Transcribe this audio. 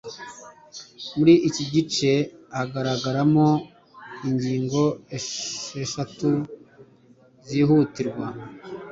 muri iki gice hagaragaramo ingingo esheshatu zihutirwa